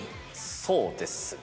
そうですね。